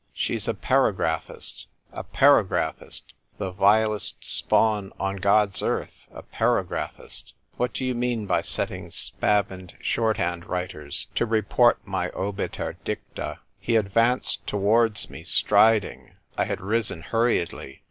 She's a para graphist — a paragraphist : the vilest spawn on God's earth, a paragraphist ! What do you mean by setting spavined shorthand writers to report my obiter dicta ?" He advanced towards me, striding : I had risen hurriedly.